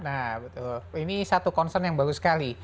nah betul ini satu concern yang bagus sekali